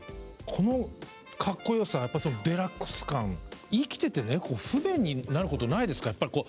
このかっこよさデラックス感生きててね不便になることないですか？